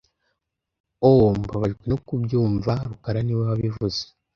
Oh! Mbabajwe no kubyumva rukara niwe wabivuze